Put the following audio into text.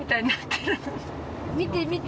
見て見て！